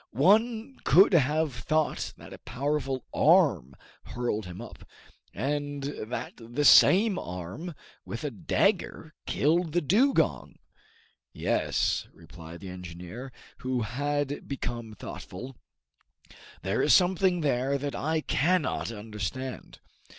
One could have thought that a powerful arm hurled him up, and that the same arm with a dagger killed the dugong!" "Yes," replied the engineer, who had become thoughtful; "there is something there that I cannot understand.